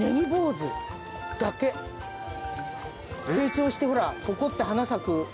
だけ成長してほらポコッて花咲く。